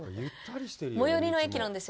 最寄りの駅なんですよ。